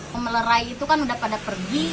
memelerai itu kan udah pada pergi